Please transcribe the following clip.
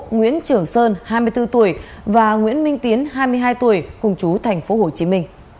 nguyễn trường sơn hai mươi bốn tuổi và nguyễn minh tiến hai mươi hai tuổi cùng chú tp hcm